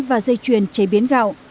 và dây chuyền chế biến gạo